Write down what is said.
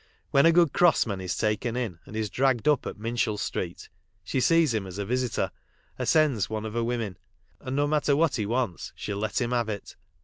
When a good cross man is taken in, and is dragged up at Minshull street, she sees him as a visitor, or sends one of her women, and no matter what he wants she'll let him have it.